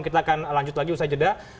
kita akan lanjut lagi usai jeda